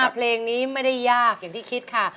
เพลงนี้ไม่ได้ยากอย่างที่คิดค่ะ